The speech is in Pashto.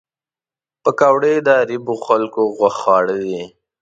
پکورې د غریبو خوږ خواړه دي